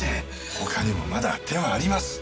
他にもまだ手はあります。